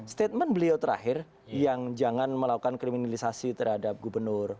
statement beliau terakhir yang jangan melakukan kriminalisasi terhadap gubernur